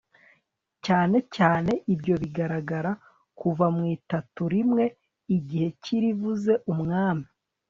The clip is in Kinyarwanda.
cyane cyane ibyo bigaragara kuva mu itatu rimwe igihe cy'irivuze umwami